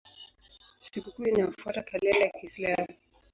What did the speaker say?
Sikukuu inafuata kalenda ya Kiislamu.